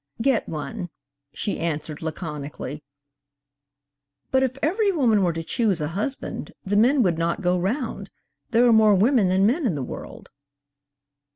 'Get one,' she answered laconically. 'But if every woman were to choose a husband the men would not go round; there are more women than men in the world.'